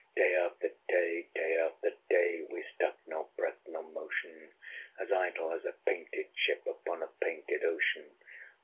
Day after day, day after day, We stuck, nor breath nor motion; As idle as a painted ship Upon a painted ocean.